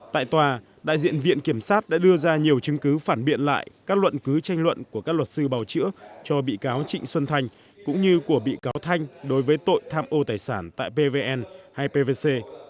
tại tòa đại diện viện kiểm sát đã đưa ra nhiều chứng cứ phản biện lại các luận cứ tranh luận của các luật sư bào chữa cho bị cáo trịnh xuân thanh cũng như của bị cáo thanh đối với tội tham ô tài sản tại pvn hay pvc